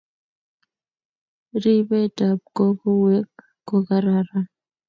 Ribet ab kogowek ko kararan